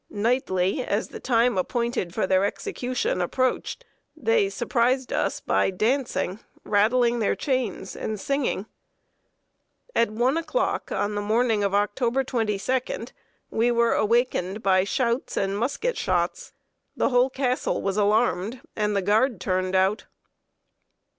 Nightly, as the time appointed for their execution approached, they surprised us by dancing, rattling their chains, and singing. At one o'clock on the morning of October 22d, we were awakened by shouts and musket shots. The whole Castle was alarmed, and the guard turned out.